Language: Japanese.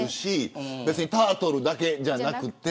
別にタートルだけじゃなくって。